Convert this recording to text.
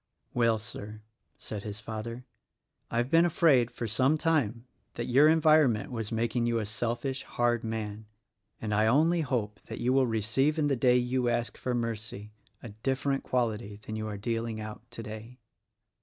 "Well, Sir," said his father, "I've been afraid, for some time, that your environment was making you a selfish, hard man; and I only hope that you will receive in the day you ask for mercy, a different quality than you are dealing out today."